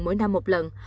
mỗi năm một lần